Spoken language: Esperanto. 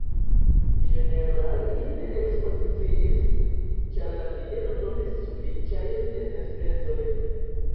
Ĝenerale li ne ekspoziciis, ĉar la bieno donis sufiĉajn enspezojn.